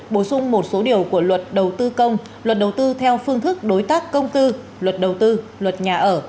bổ sung một số điều của luật đầu tư công luật đầu tư theo phương thức đối tác công tư luật đầu tư luật nhà ở